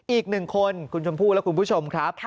อีกหนึ่งคนคุณชมพู่และคุณผู้ชมครับ